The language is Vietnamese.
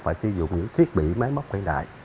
phải sử dụng những thiết bị máy móc khuyến đại